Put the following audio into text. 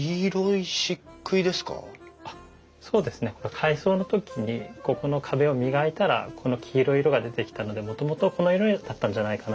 改装の時にここの壁を磨いたらこの黄色い色が出てきたのでもともとこの色だったんじゃないかな。